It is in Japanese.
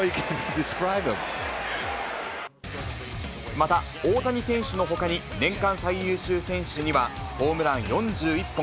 また、大谷選手のほかに、年間最優秀選手には、ホームラン４１本、